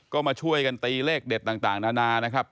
ก็มาช่วยกันตีเลขเด็ดต่างนานานะครับ